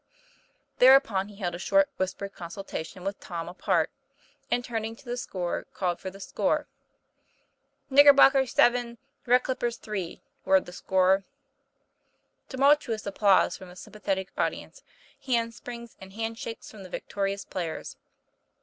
Thereupon he held a short whispered consultation with Tom, apart, and, turning to the scorer, called for the score. 'Knickerbockers, 7; Red Clippers, 3, "roared the scorer. Tumultuous applause from the sympathetic audi ence, hand springs and hand shakes from the vic torious players.